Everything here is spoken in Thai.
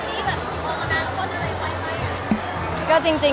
มันเป็นเรื่องน่ารักที่เวลาเจอกันเราต้องแซวอะไรอย่างเงี้ย